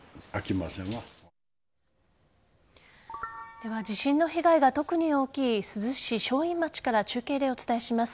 では、地震の被害が特に大きい珠洲市正院町から中継でお伝えします。